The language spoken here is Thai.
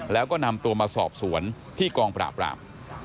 แล้วก็นำตัวมาสอบสวนที่กองปราบราม